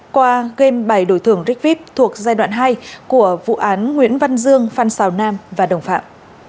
qua game bài đổi thưởng rigvip thuộc giai đoạn hai của vụ án nguyễn văn dương phan xào nam và đồng phạm